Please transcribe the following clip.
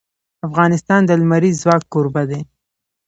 افغانستان د لمریز ځواک کوربه دی.